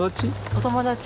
お友達。